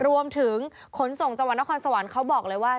รวมถึงขนส่งจังหวัดนครสวรรค์เขาบอกเลยว่า